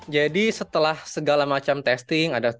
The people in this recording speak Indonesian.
jadi setelah segala macam testing ada